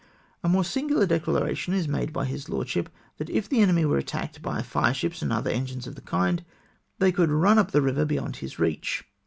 A more singular declaration is made by his lordship, that if the enemy were attacked by " fire ships and other engines of the kind, they could run up the river beyond their reach."